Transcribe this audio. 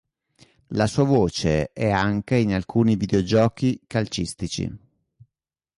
La sua voce è anche in alcuni videogiochi calcistici.